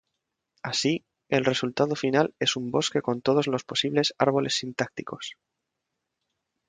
Así, el resultado final es un bosque con todos los posibles árboles sintácticos.